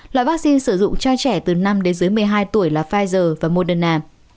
loại vaccine sử dụng cho trẻ từ năm đến dưới một mươi hai tuổi là pfizer và moderna